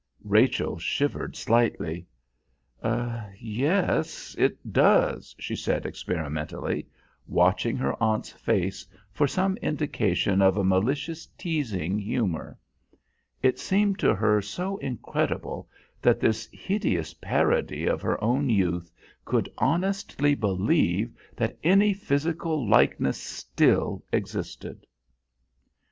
Rachel shivered slightly. "Yes, it does," she said experimentally, watching her aunt's face for some indication of a malicious teasing humour. It seemed to her so incredible that this hideous parody of her own youth could honestly believe that any physical likeness still existed.